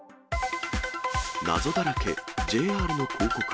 謎だらけ、ＪＲの広告。